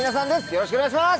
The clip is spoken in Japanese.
よろしくお願いします。